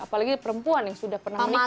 apalagi perempuan yang sudah pernah menikah